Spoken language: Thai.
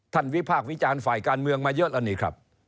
วิพากษ์วิจารณ์ฝ่ายการเมืองมาเยอะแล้วนี่ครับ